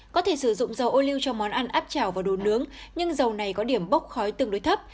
có thể sử dụng dầu ô lưu cho món ăn áp chảo và đồ nướng nhưng dầu này có điểm bốc khói tương đối thấp